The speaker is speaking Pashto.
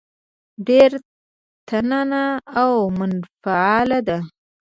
ډېره تته او منفعله ده.